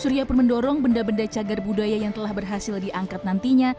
suria pemendorong benda benda cagar budaya yang telah berhasil diangkat nantinya